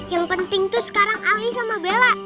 yang penting tuh sekarang ali sama bella